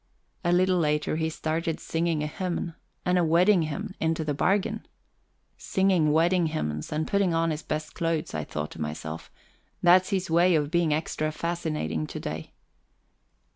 A little later he started singing a hymn and a wedding hymn into the bargain. Singing wedding hymns, and putting on his best clothes, I thought to myself that's his way of being extra fascinating to day.